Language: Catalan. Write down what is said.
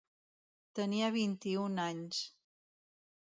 Tenia vint-i-un anys.